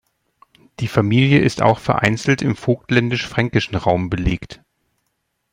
Die Familie ist auch vereinzelt im vogtländisch-fränkischen Raum belegt.